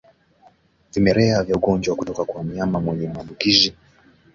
Vimelea vya ugonjwa kutoka kwa mnyama mwenye maambukizi